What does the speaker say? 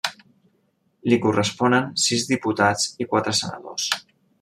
Li corresponen sis diputats i quatre senadors.